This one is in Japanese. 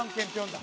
だ。